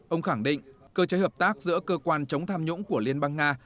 ông khẳng định cơ chế hợp tác giữa cơ quan chống tham nhũng của liên bang nga